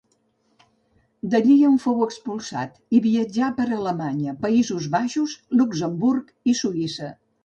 D'allí en fou expulsat i viatjà per Alemanya, Països Baixos, Luxemburg i Suïssa.